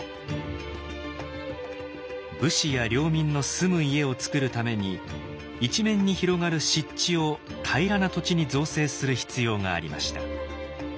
武士や領民の住む家をつくるために一面に広がる湿地を平らな土地に造成する必要がありました。